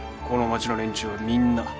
この街の連中はみんな。